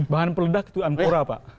bahan peledak itu ampora pak